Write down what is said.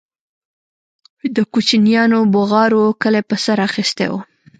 د كوچنيانو بوغارو كلى په سر اخيستى و.